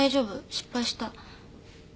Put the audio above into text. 失敗した。